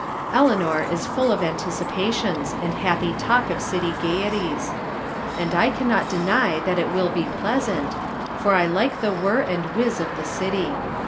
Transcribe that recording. Eleanor is full of anticipations, and happy talk of city gayeties. And I can not deny that it will be pleasant, for I lilie the whir and whiz of the city.